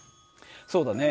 そうだね。